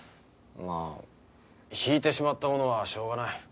まあ引いてしまったものはしょうがない。